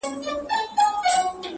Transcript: بیا یې پورته کړو نقاب له سپين رخساره،